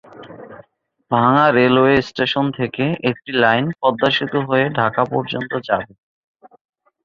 ভাঙ্গা railway station থেকে একটি লাইন পদ্মা সেতু হয়ে ঢাকা পর্যন্ত যাবে।